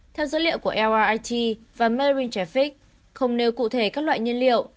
theo dữ liệu của lrit và marine traffic không nêu cụ thể các loại nhân liệu